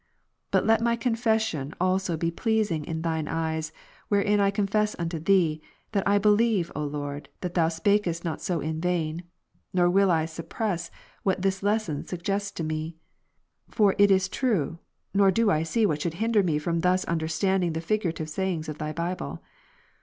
But let my confession also be pleasing in Thine eyes, wherein I confess unto Thee, that 1 believe, O Lord, that Thou sj^akest not so in vain; nor will I suppress, what this lesson suggests to me. For it is true, nor do I see what should hinder me from thus under standing the figurative sayings of Thy Bible.